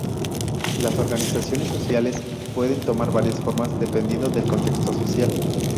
Las organizaciones sociales pueden tomar varias formas dependiendo del contexto social.